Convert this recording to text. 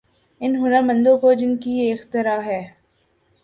ان ہنرمندوں کو جن کی یہ اختراع ہے۔